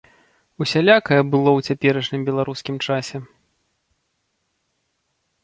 Усялякае было ў цяперашнім беларускім часе.